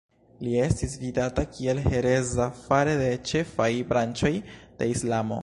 Li estis vidata kiel hereza fare de ĉefaj branĉoj de Islamo.